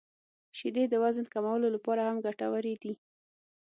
• شیدې د وزن کمولو لپاره هم ګټورې دي.